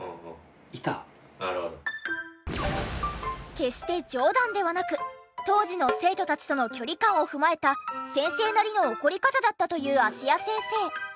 決して冗談ではなく当時の生徒たちとの距離感を踏まえた先生なりの怒り方だったという芦屋先生。